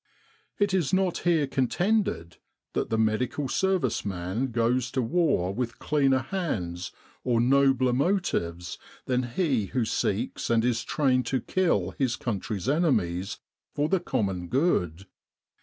It is not here contended that the Medical Service man goes to war with cleaner hands or nobler motives than he who seeks and is trained to kill his country's enemies for the common good.